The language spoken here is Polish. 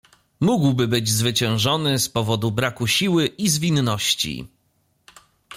"Mógłby być zwyciężony z powodu braku siły i zwinności."